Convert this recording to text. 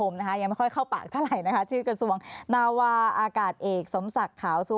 ไม่ได้เจอกันนานเลยนะครับ